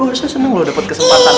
lo harusnya seneng lo dapet kesempatan